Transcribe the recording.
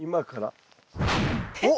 えっ。